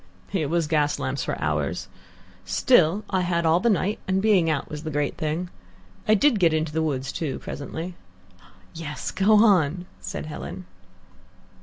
"It was gas lamps for hours. Still, I had all the night, and being out was the great thing. I did get into woods, too, presently." "Yes, go on," said Helen.